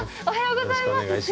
おはようございます。